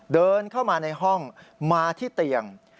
เดินเข้ามาในห้องมาที่เตียง